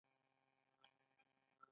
دوی د بایبل له ژباړو څخه پوره ګټه واخیسته.